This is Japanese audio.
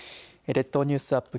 列島ニュースアップ